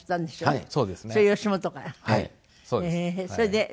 はい。